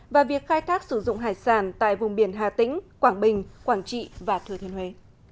và việc khai thác sử dụng hải sản tại vùng biển hà tĩnh quảng bình quảng trị và thừa thiên huế